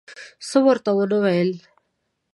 څه ورته ونه ویل.